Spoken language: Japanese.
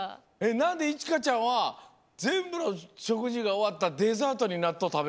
なんでいちかちゃんはぜんぶのしょくじがおわったデザートになっとうたべんの？